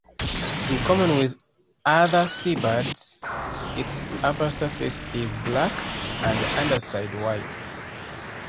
In common with other seabirds, its upper surface is black and underside white.